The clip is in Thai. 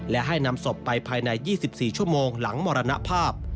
และให้นำศพไปภายใน๒๔ชั่วโมงหลังมรณภาพ